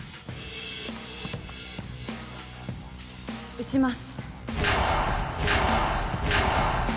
撃ちます。